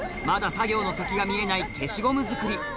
まだ作業の先が見えない消しゴム作り。